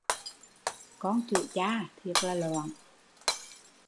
Con chưởi cha, thiệt là loạn